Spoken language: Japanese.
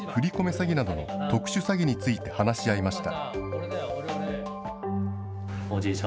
詐欺などの特殊詐欺について話し合いました。